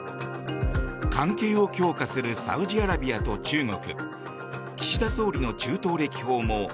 関係を強化するサウジアラビアと中国。